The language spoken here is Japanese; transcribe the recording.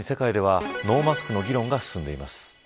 さらに世界ではノーマスクの議論が進んでいます。